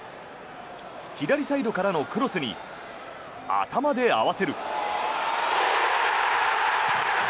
左サイドからのクロスに頭で合わせる。